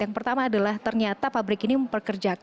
yang pertama adalah ternyata pabrik ini memperkerjakan anak anak